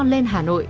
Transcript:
lên hà nội